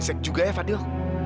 mesej juga ya fadil